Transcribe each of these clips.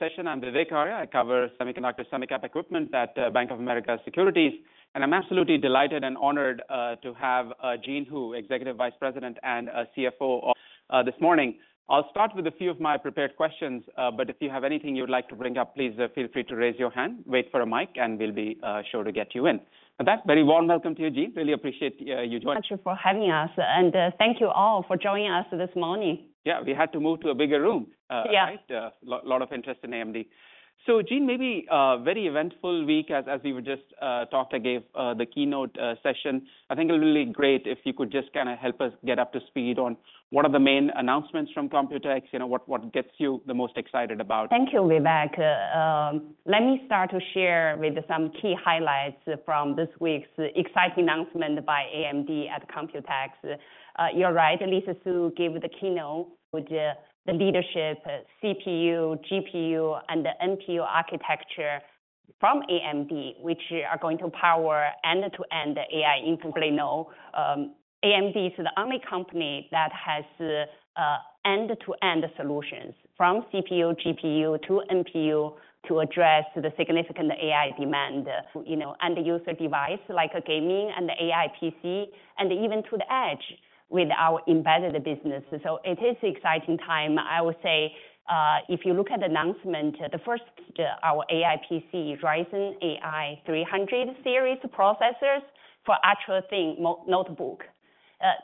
Session. I'm Vivek Arya. I cover semiconductor/semicap equipment at Bank of America Securities, and I'm absolutely delighted and honored to have Jean Hu, Executive Vice President and CFO, this morning. I'll start with a few of my prepared questions, but if you have anything you would like to bring up, please feel free to raise your hand, wait for a mic, and we'll be sure to get you in. With that, very warm welcome to you, Jean. Really appreciate you joining. Thank you for having us, and thank you all for joining us this morning. Yeah, we had to move to a bigger room. Yeah Right? A lot, a lot of interest in AMD. So, Jean, maybe a very eventful week as we were just talking. I gave the keynote session. I think it would be really great if you could just kind of help us get up to speed on what are the main announcements from Computex, you know, what gets you the most excited about? Thank you, Vivek. Let me start to share with some key highlights from this week's exciting announcement by AMD at Computex. You're right, Lisa Su gave the keynote with, the leadership, CPU, GPU, and the NPU architecture from AMD, which are going to power end-to-end AI integrally. Now, AMD is the only company that has the, end-to-end solutions, from CPU, GPU to NPU, to address the significant AI demand, you know, end user device like gaming and AI PC, and even to the edge with our embedded business. So it is exciting time. I would say, if you look at the announcement, the first, our AI PC, Ryzen AI 300 Series processors for ultra-thin, notebook.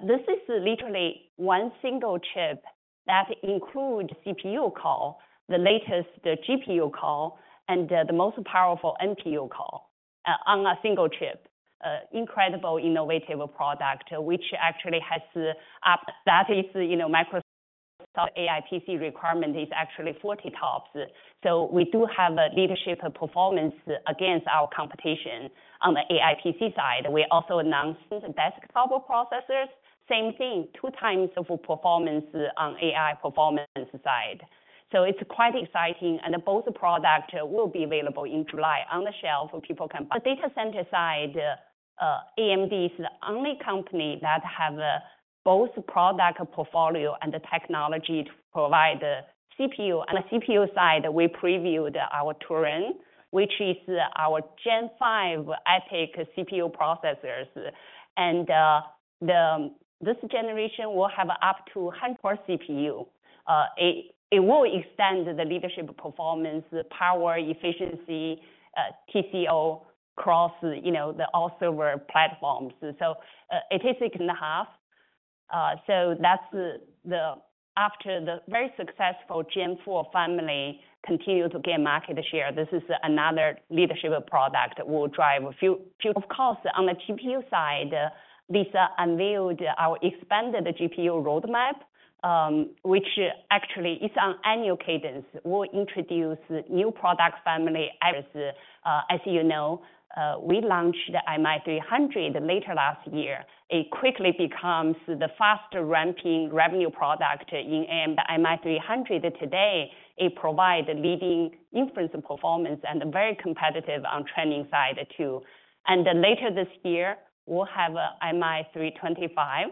This is literally one single chip that include CPU core, the latest GPU core, and, the most powerful NPU core, on a single chip. Incredible innovative product, which actually has up. That is, you know, Microsoft AI PC requirement is actually 40 TOPS. So we do have a leadership performance against our competition on the AI PC side. We also announced the best tablet processors. Same thing, 2x the performance on AI performance side. So it's quite exciting, and both product will be available in July on the shelf, so people can-- But data center side, AMD is the only company that have both product portfolio and the technology to provide the CPU. On the CPU side, we previewed our Turin, which is our Gen 5 EPYC CPU processors. This generation will have up to 100-core CPU. It will extend the leadership performance, the power, efficiency, TCO across, you know, all server platforms. So, it is 6.5. So that's the—after the very successful Gen 4 family continued to gain market share, this is another leadership product that will drive a few. Of course, on the GPU side, Lisa unveiled our expanded GPU roadmap, which actually is on annual cadence. We'll introduce new product family as, as you know, we launched the MI300 late last year. It quickly becomes the faster ramping revenue product in AMD. MI300 today, it provide leading inference and performance and very competitive on training side, too. And then later this year, we'll have a MI325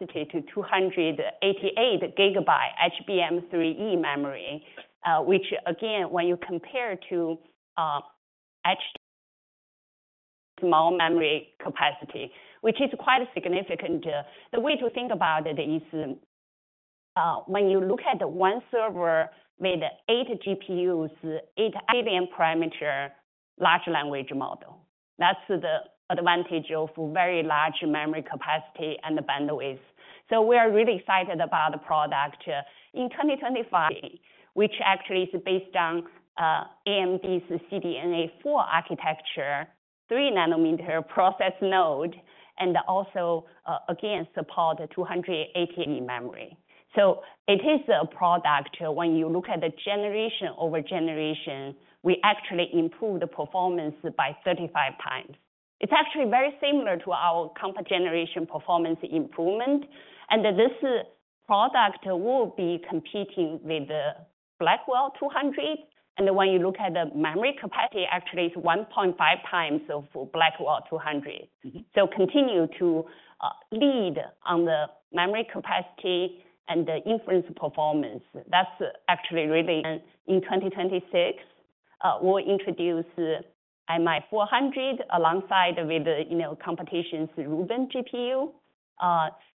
to 288 GB HBM3E memory, which again, when you compare to actually small memory capacity, which is quite significant. The way to think about it is, when you look at the one server with 8 GPUs, 8 billion parameter large language model. That's the advantage of very large memory capacity and the bandwidth. So we are really excited about the product. In 2025, which actually is based on AMD's CDNA 4 architecture, 3 nm process node, and also again support 288 GB memory. So it is a product, when you look at the generation-over-generation, we actually improve the performance by 35x. It's actually very similar to our compute generation performance improvement, and this product will be competing with the Blackwell 200. When you look at the memory capacity, actually, it's 1.5x of Blackwell B200. So continue to lead on the memory capacity and the inference performance. That's actually really. In 2026, we'll introduce the MI400, alongside with the, you know, competition's Rubin GPU.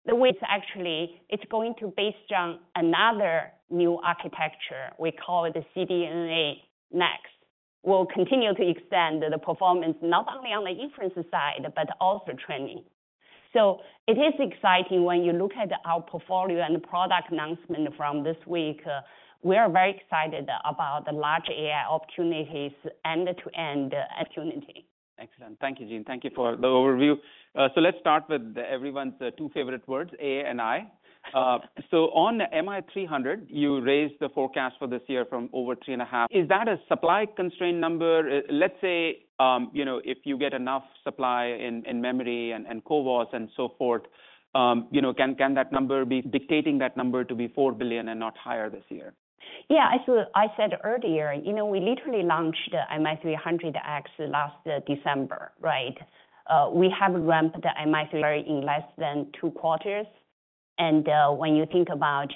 The way it's actually it's going to based on another new architecture we call the CDNA Next. We'll continue to extend the performance not only on the inference side, but also training. So it is exciting when you look at our portfolio and product announcement from this week. We are very excited about the large AI opportunities, end-to-end opportunity. Excellent. Thank you, Jean. Thank you for the overview. So let's start with everyone's two favorite words, AI. So on the MI300, you raised the forecast for this year from over $3.5 billion. Is that a supply constraint number? Let's say, you know, if you get enough supply in memory and CoWoS and so forth, you know, can that number be dictating that number to be $4 billion and not higher this year? Yeah, as I said earlier, you know, we literally launched the MI300X last December, right? We have ramped the MI300 in less than two quarters, and when you think about,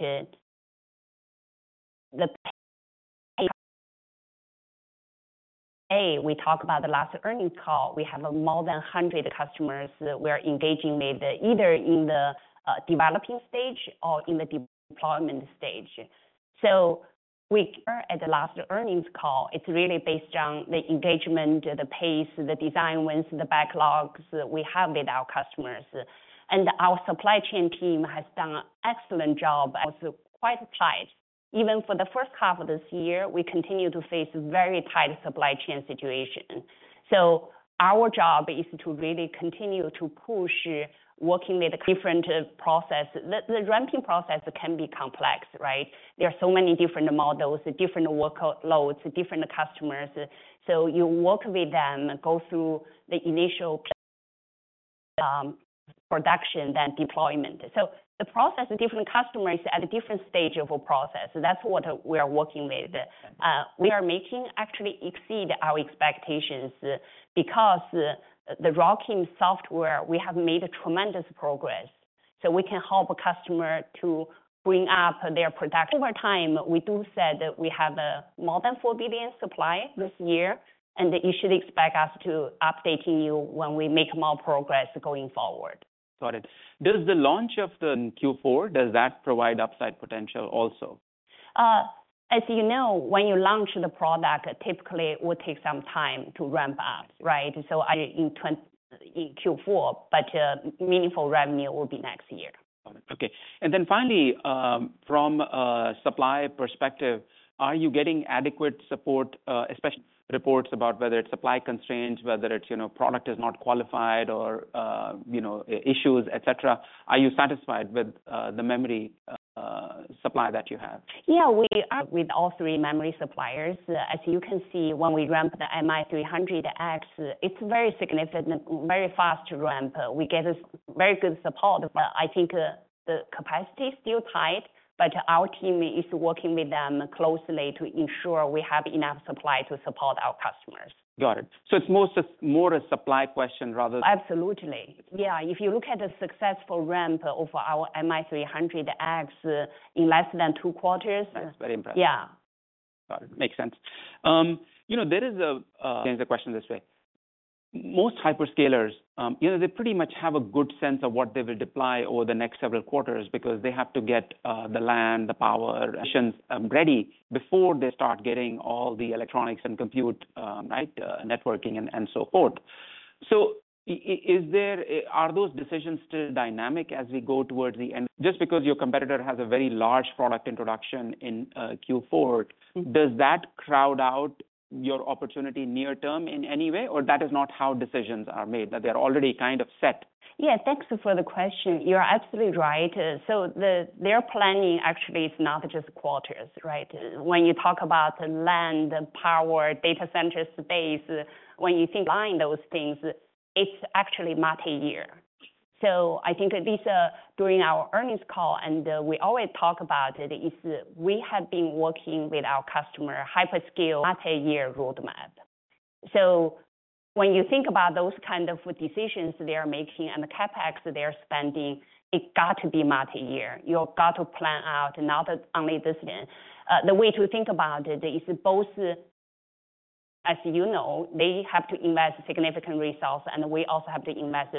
we talked about the last earnings call, we have more than 100 customers that we are engaging with, either in the developing stage or in the deployment stage. So we are at the last earnings call, it's really based on the engagement, the pace, the design wins, the backlogs that we have with our customers. And our supply chain team has done an excellent job, also quite tight. Even for the first half of this year, we continue to face very tight supply chain situation. So our job is to really continue to push, working with different process. The ramping process can be complex, right? There are so many different models, different workloads, different customers. So you work with them, go through the initial production, then deployment. So the process of different customers at a different stage of a process, that's what we are working with. We are actually exceeding our expectations because the ROCm software, we have made tremendous progress. So we can help a customer to bring up their production. Over time, we have said that we have more than 4 billion supply this year, and that you should expect us to update you when we make more progress going forward. Got it. Does the launch of the Q4, does that provide upside potential also? As you know, when you launch the product, typically it would take some time to ramp up, right? So in Q4, but meaningful revenue will be next year. Got it. Okay. And then finally, from a supply perspective, are you getting adequate support, especially reports about whether it's supply constraints, whether it's, you know, product is not qualified or, you know, issues, et cetera. Are you satisfied with the memory supply that you have? Yeah, we are with all three memory suppliers. As you can see, when we ramp the MI300X, it's very significant, very fast ramp. We get a very good support, but I think, the capacity is still tight, but our team is working with them closely to ensure we have enough supply to support our customers. Got it. So it's more a supply question rather- Absolutely. Yeah, if you look at the successful ramp of our MI300X in less than two quarters- That's very impressive. Yeah. Got it. Makes sense. You know, there is a change the question this way: Most hyperscalers, you know, they pretty much have a good sense of what they will deploy over the next several quarters because they have to get the land, the power, additions, ready before they start getting all the electronics and compute, right, networking and, and so forth. So is there... Are those decisions still dynamic as we go towards the end? Just because your competitor has a very large product introduction in Q4, does that crowd out your opportunity near term in any way, or that is not how decisions are made, that they're already kind of set? Yeah, thanks for the question. You're absolutely right. So their planning actually is not just quarters, right? When you talk about the land, the power, data center space, when you think buying those things, it's actually multi-year. So I think Lisa, during our earnings call, and we always talk about it, is we have been working with our customer, hyperscale, multi-year roadmap. So when you think about those kind of decisions they are making and the CapEx they are spending, it got to be multi-year. You got to plan out, not only this year. The way to think about it is both, as you know, they have to invest significant resources, and we also have to invest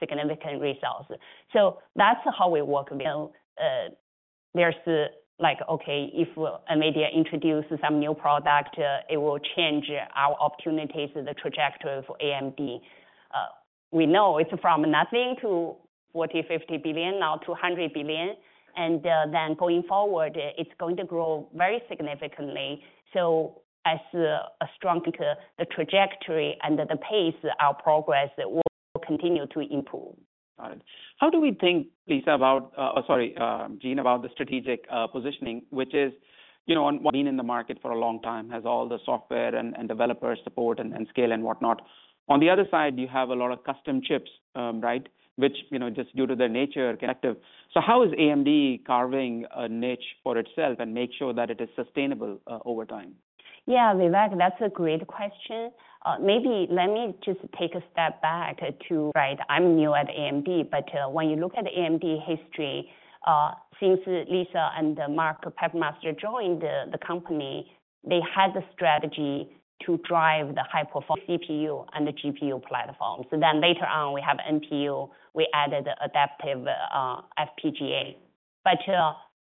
significant resources. So that's how we work. Well, there's like, okay, if NVIDIA introduces some new product, it will change our opportunities, the trajectory for AMD. We know it's from nothing to $40 billion-$50 billion, now to $100 billion, and then going forward, it's going to grow very significantly. So as a strong trajectory and the pace, our progress will continue to improve. Got it. How do we think, Lisa, about... Sorry, Jean, about the strategic positioning, which is, you know, NVIDIA has been in the market for a long time, has all the software and developer support and scale and whatnot. On the other side, you have a lot of custom chips, right? Which, you know, just due to their nature, constrained. So how is AMD carving a niche for itself and make sure that it is sustainable over time? Yeah, Vivek, that's a great question. Maybe let me just take a step back to, right. I'm new at AMD, but when you look at AMD history, since Lisa and Mark Papermaster joined the company, they had the strategy to drive the high-performance CPU and the GPU platforms. So then later on, we have NPU, we added adaptive FPGA. But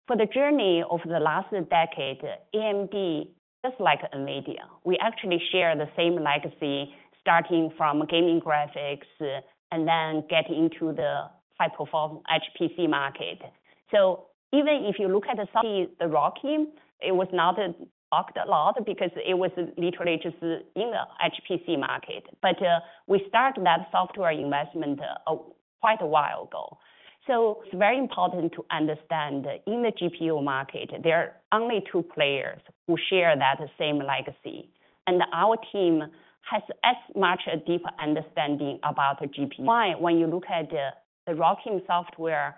for the journey over the last decade, AMD, just like NVIDIA, we actually share the same legacy, starting from gaming graphics and then getting into the high-performance HPC market. So even if you look at the ROCm team, it was not talked a lot because it was literally just in the HPC market. But we started that software investment quite a while ago. So it's very important to understand that in the GPU market, there are only two players who share that same legacy, and our team has as much a deeper understanding about the GPU. Why? When you look at the ROCm software,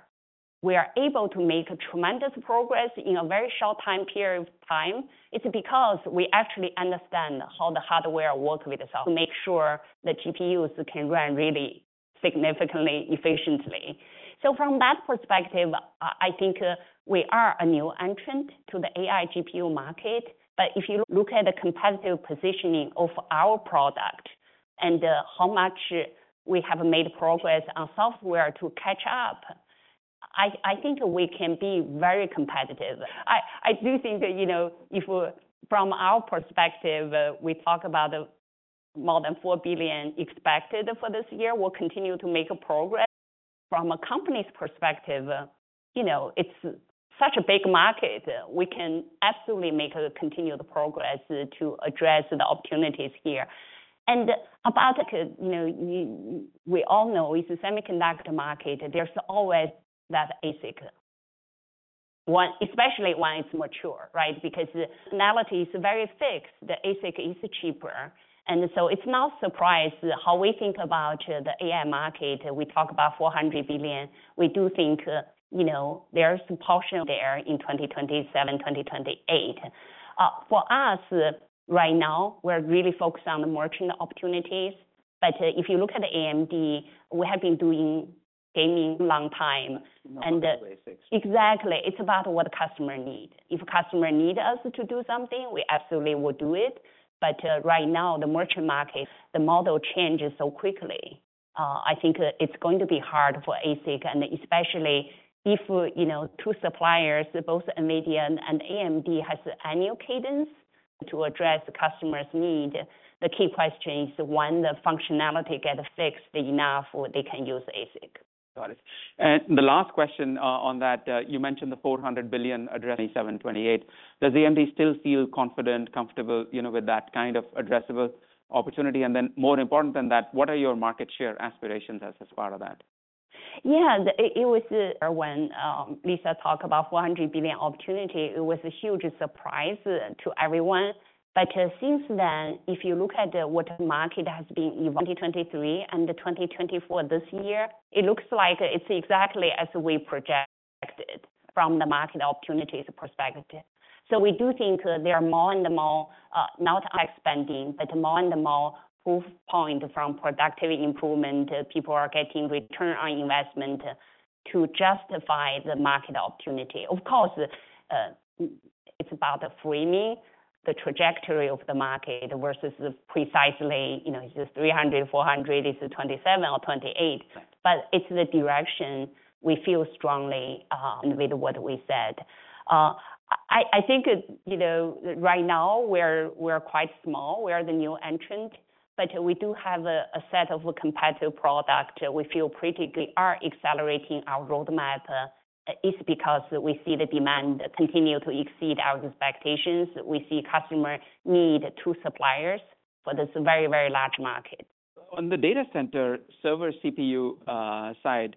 we are able to make tremendous progress in a very short time period of time. It's because we actually understand how the hardware work with itself to make sure the GPUs can run really significantly, efficiently. So from that perspective, I think we are a new entrant to the AI GPU market. But if you look at the competitive positioning of our product and how much we have made progress on software to catch up, I think we can be very competitive. I do think that, you know, if from our perspective, we talk about more than $4 billion expected for this year, we'll continue to make progress. From a company's perspective, you know, it's such a big market, we can absolutely make, continue the progress to address the opportunities here. And about, you know, we all know, with the semiconductor market, there's always that ASIC, especially when it's mature, right? Because the analogy is very fixed, the ASIC is cheaper. And so it's not surprise how we think about the AI market. We talk about $400 billion. We do think, you know, there is some portion there in 2027, 2028. For us, right now, we're really focused on the merchant opportunities. But if you look at AMD, we have been doing gaming long time, and Not basics. Exactly. It's about what customer need. If customer need us to do something, we absolutely will do it. But right now, the merchant market, the model changes so quickly, I think it's going to be hard for ASIC, and especially if, you know, two suppliers, both NVIDIA and AMD, has annual cadence to address the customer's need. The key question is, when the functionality get fixed enough, they can use ASIC. Got it. And the last question on that, you mentioned the $400 billion addressing 2027-2028. Does AMD still feel confident, comfortable, you know, with that kind of addressable opportunity? And then, more important than that, what are your market share aspirations as part of that? Yeah, it was when Lisa talked about $400 billion opportunity, it was a huge surprise to everyone. But since then, if you look at what the market has been, 2023 and 2024 this year, it looks like it's exactly as we projected from the market opportunities perspective. So we do think there are more and more, not expanding, but more and more proof point from productivity improvement. People are getting return on investment to justify the market opportunity. Of course, it's about framing the trajectory of the market versus the precisely, you know, is this $300, $400, is it 2027 or 2028? But it's the durartion we feel strongly with what we said. I think, you know, right now we're quite small. We are the new entrant, but we do have a set of competitive product. We feel pretty, we are accelerating our roadmap, is because we see the demand continue to exceed our expectations. We see customer need two suppliers, but it's a very, very large market. On the data center, server CPU, side,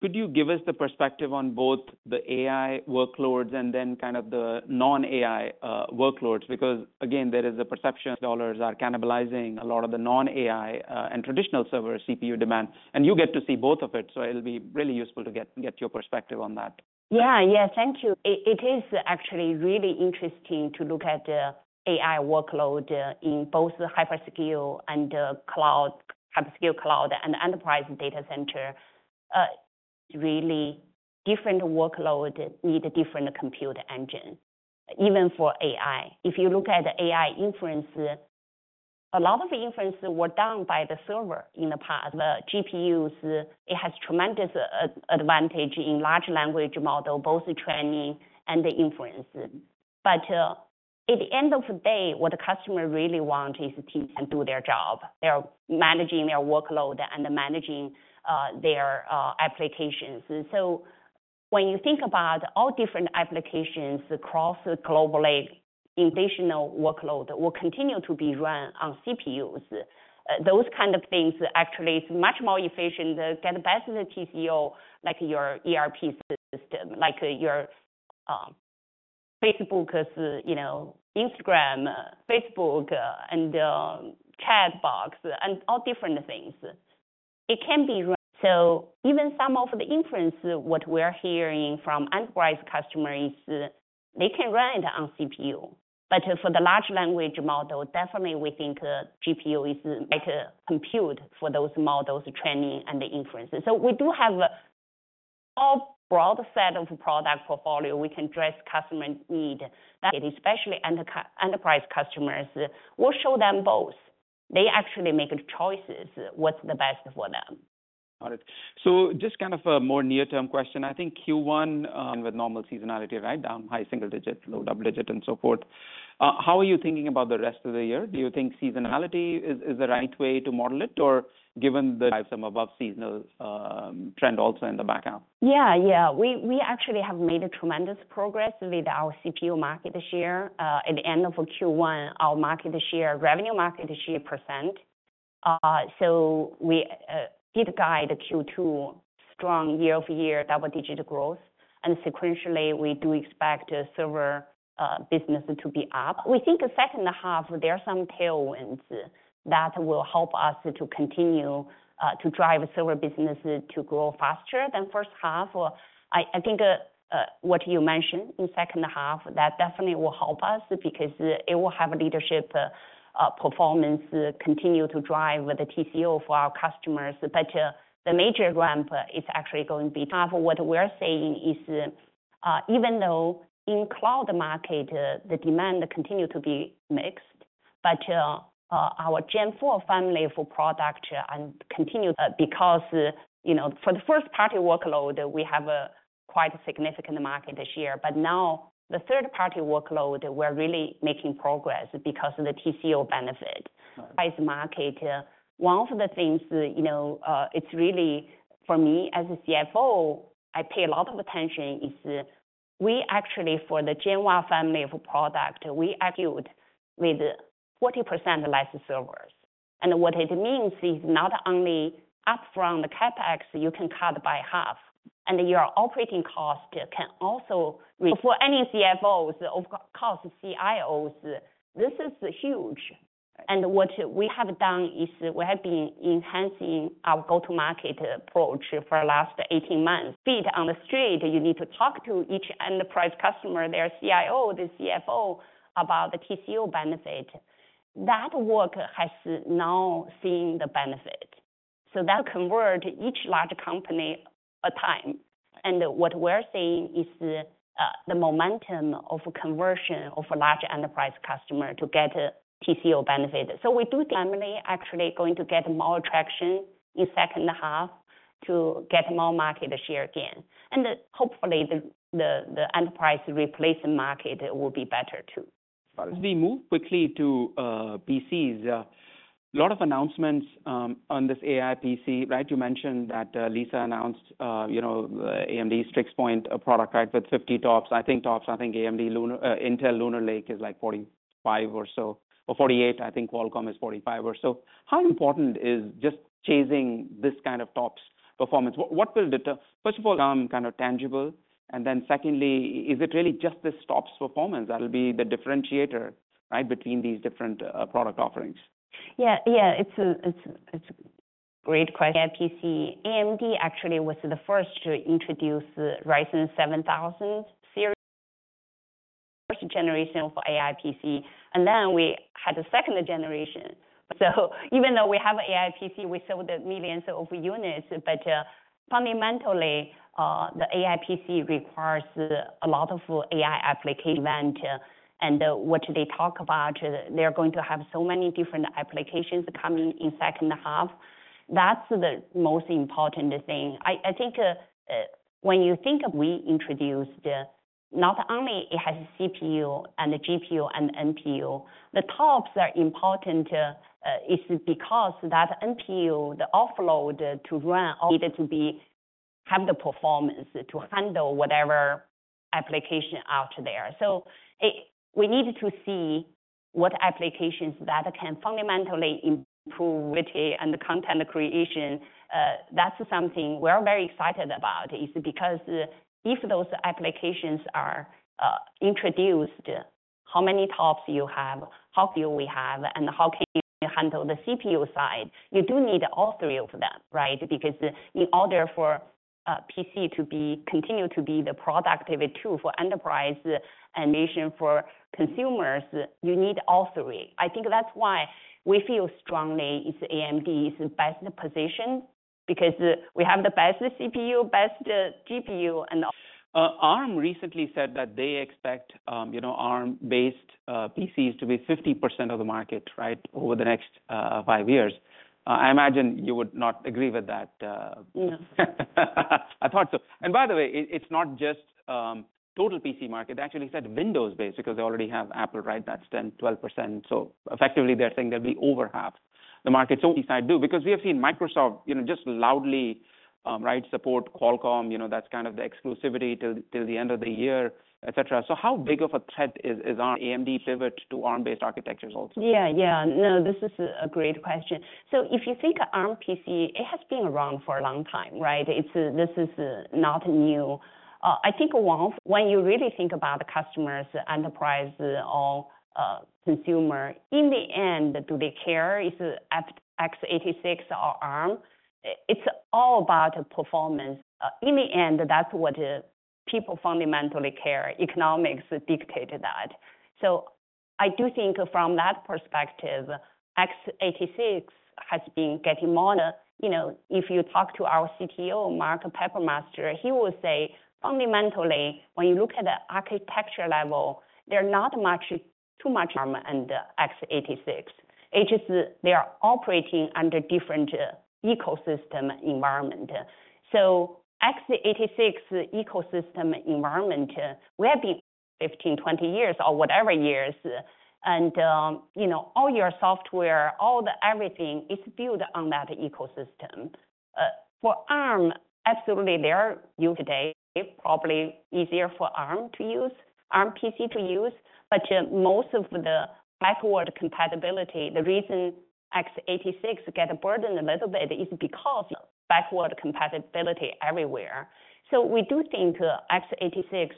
could you give us the perspective on both the AI workloads and then kind of the non-AI, workloads? Because, again, there is a perception dollars are cannibalizing a lot of the non-AI, and traditional server CPU demand, and you get to see both of it, so it'll be really useful to get, get your perspective on that. Yeah. Yeah, thank you. It is actually really interesting to look at the AI workload in both the hyperscale and the cloud—hyperscale cloud and enterprise data center. Really different workload need different compute engine, even for AI. If you look at the AI inference, a lot of the inferences were done by the server in the past. The GPUs, it has tremendous advantage in large language model, both the training and the inference. But at the end of the day, what the customer really want is to do their job. They're managing their workload and managing their applications. And so when you think about all different applications across the globally, additional workload will continue to be run on CPUs. Those kind of things actually is much more efficient, get the best TCO, like your ERP system, like your Facebook, you know, Instagram, Facebook, and Chatbots and all different things. It can be run. So even some of the inference, what we're hearing from enterprise customers is they can run it on CPU. But for the large language model, definitely we think, GPU is like a compute for those models, training and the inference. So we do have a broad set of product portfolio. We can address customer need, especially enterprise customers. We'll show them both. They actually make choices, what's the best for them. Got it. So just kind of a more near-term question. I think Q1, with normal seasonality, right? Down high single digits, low double digit, and so forth. How are you thinking about the rest of the year? Do you think seasonality is the right way to model it, or given the drive some above seasonal, trend also in the background? Yeah, yeah. We actually have made a tremendous progress with our CPU market share. At the end of Q1, our market share—revenue market share percent. So we did guide Q2 strong year-over-year, double-digit growth, and sequentially, we do expect server business to be up. We think the second half, there are some tailwinds that will help us to continue to drive server business to grow faster than first half. I think what you mentioned in second half, that definitely will help us because it will have a leadership performance, continue to drive the TCO for our customers. But the major ramp is actually going to be what we're saying is even though in cloud market, the demand continue to be mixed. But our Gen4 family of product and continue because you know for the first-party workload we have quite a significant market this year. But now the third-party workload we're really making progress because of the TCO benefit. As market one of the things you know it's really for me as a CFO I pay a lot of attention is we actually for the Genoa family of product we argued with 40% license servers. And what it means is not only upfront the CapEx you can cut by half and your operating cost can also. For any CFOs of course CIOs this is huge. And what we have done is we have been enhancing our go-to-market approach for the last 18 months. Feet on the street, you need to talk to each enterprise customer, their CIO, the CFO, about the TCO benefit. That work has now seen the benefit. So that convert each large company a time. And what we're seeing is the momentum of conversion of a large enterprise customer to get TCO benefit. So family actually going to get more traction in second half to get more market share again. And hopefully, the enterprise replacement market will be better, too. As we move quickly to PCs, a lot of announcements on this AI PC, right? You mentioned that Lisa announced, you know, AMD's fixed point product, right, with 50 TOPS. I think TOPS, I think AMD Luna... Intel Lunar Lake is, like, 45 or so, or 48. I think Qualcomm is 45 or so. How important is just chasing this kind of TOPS performance? What will deter... First of all, kind of tangible, and then secondly, is it really just this TOPS performance that'll be the differentiator, right, between these different product offerings? Yeah. Yeah, it's a great question. IPC. AMD actually was the first to introduce the Ryzen 7000 Series, first generation for AI PC, and then we had the second generation. So even though we have AI PC, we sold millions of units, but fundamentally, the AI PC requires a lot of AI application. And what they talk about, they're going to have so many different applications coming in second half. That's the most important thing. I think, when you think of we introduced, not only it has CPU and the GPU and NPU, the TOPS are important, is because that NPU, the offload to run, needed to be, have the performance to handle whatever application out there. So we need to see what applications that can fundamentally improve it and the content creation, that's something we're very excited about. Is because, if those applications are introduced, how many TOPS you have, how few we have, and how can you handle the CPU side, you do need all three of them, right? Because in order for PC to be... continue to be the productivity tool for enterprise edition, for consumers, you need all three. I think that's why we feel strongly is AMD is best positioned, because we have the best CPU, best GPU, and- Arm recently said that they expect, you know, Arm-based PCs to be 50% of the market, right, over the next five years. I imagine you would not agree with that, No. I thought so. And by the way, it's not just total PC market. They actually said Windows-based, because they already have Apple, right? That's 10%-12%. So effectively, they're saying they'll be over half the market. So I do, because we have seen Microsoft, you know, just loudly right, support Qualcomm, you know, that's kind of the exclusivity till the end of the year, et cetera. So how big of a threat is Arm, AMD pivot to Arm-based architectures also? Yeah, yeah. No, this is a great question. So if you think Arm PC, it has been around for a long time, right? It's not new. I think one, when you really think about the customers, enterprise or consumer, in the end, do they care it's x86 or Arm? It's all about performance. In the end, that's what people fundamentally care. Economics dictated that. So I do think from that perspective, x86 has been getting more... You know, if you talk to our CTO, Mark Papermaster, he will say, fundamentally, when you look at the architecture level, they're not much, too much Arm and x86. It's just they are operating under different ecosystem environment. So x86 ecosystem environment, we have been 15-20 years, or whatever years, and, you know, all your software, all the everything is built on that ecosystem. For Arm, absolutely, they are new today. It's probably easier for Arm to use, Arm PC to use, but, most of the backward compatibility, the reason x86 get a burden a little bit, is because backward compatibility everywhere. So we do think, x86,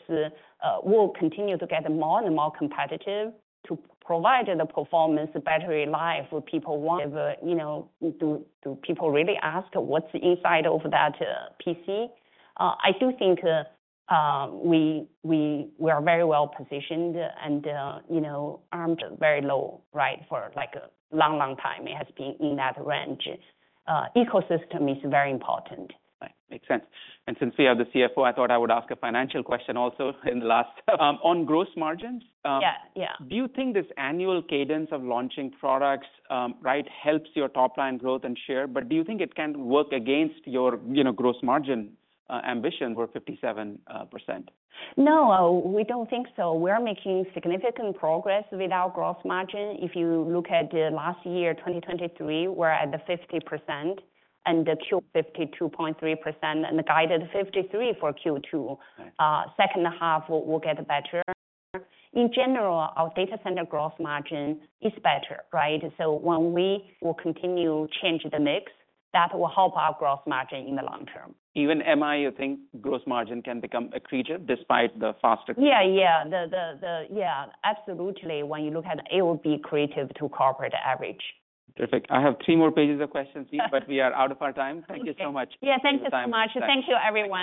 will continue to get more and more competitive to provide the performance, the battery life people want. You know, do people really ask what's inside of that, PC? I do think, we are very well positioned and, you know, Arm is very low, right? For, like, a long, long time, it has been in that range. Ecosystem is very important. Right. Makes sense. And since you are the CFO, I thought I would ask a financial question also in the last... On gross margins, Yeah, yeah. Do you think this annual cadence of launching products helps your top line growth and share? But do you think it can work against your, you know, gross margin ambition for 57%? No, we don't think so. We're making significant progress with our gross margin. If you look at the last year, 2023, we're at 50%, and 52.3%, and the guided 53% for Q2. Right. Second half will get better. In general, our data center gross margin is better, right? So when we will continue change the mix, that will help our gross margin in the long term. Even MI, you think gross margin can become accretive despite the faster- Yeah, yeah. Yeah, absolutely, when you look at it, it will be accretive to corporate average. Terrific. I have three more pages of questions, but we are out of our time. Thank you so much. Yeah, thank you so much. Thanks. Thank you, everyone.